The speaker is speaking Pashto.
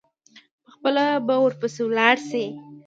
پخپله به ورپسي ولاړ شي.